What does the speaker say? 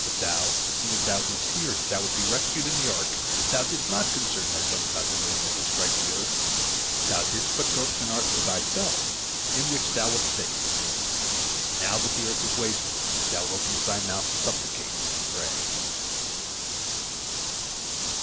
But thou, as soon as thou didst hear that thou wouldst be rescued in the ark, thou didst not concern thyself about the ruin that would strike the earth. Thou didst but build an ark for thyself, in which thou wast saved. Now that the earth is wasted, thou openest thy mouth to supplicate and pray."